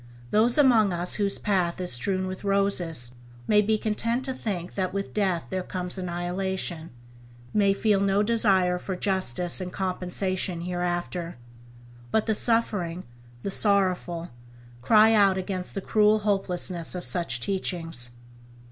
Those among us whose path is strewn with roses, may be content to think that with death there comes annihilation, may feel no desire for justice and compensation hereafter; but the suffering, the sorrowful, cry out against the cruel hopelessness of such teachings.